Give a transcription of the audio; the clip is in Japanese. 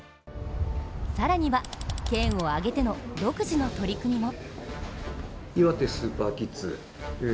さらには県を挙げての独自の取り組みも。